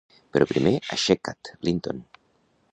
Però primer, aixeca't, Linton!